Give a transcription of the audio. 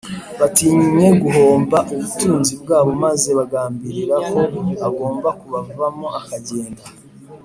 batinye guhomba ubutunzi bwabo maze bagambirira ko agomba kubavamo akagenda